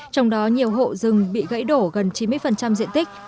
trong đó nhiều hộ rừng bị gãy đổ gần chín mươi diện tích